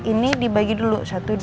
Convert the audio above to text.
ini dibagi dulu